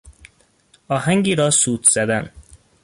آهنگی را سوت زدن